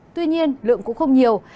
tuy nhiên lượng cũng không nhiều